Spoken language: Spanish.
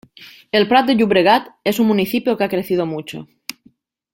El Prat de Llobregat es un municipio que ha crecido mucho.